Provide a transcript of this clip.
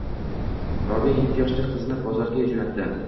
Robiya yetti yoshli qizini bozorga joʻnatdi.